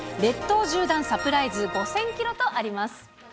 列島縦断サプライズ、５０００キロとあります。